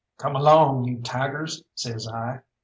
"Come along, you tigers!" says I.